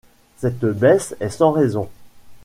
Cette baisse est sans raison !